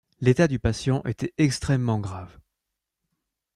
L'état du patient était extrêmement grave.